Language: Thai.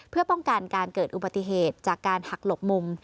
เพื่อป้องกันการเกิดอุบัติเหตุจากการหักหลบมุม